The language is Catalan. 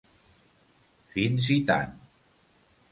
Fins i tant.